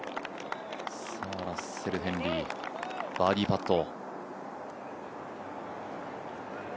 ラッセル・ヘンリー、バーディーパット。